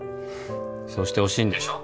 そうしてほしいんでしょ？